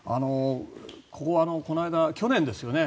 ここはこの間、去年ですよね